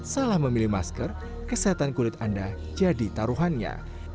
salah memilih masker kesehatan kulit anda jadi taruhannya